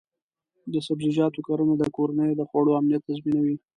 د سبزیجاتو کرنه د کورنیو د خوړو امنیت تضمینوي.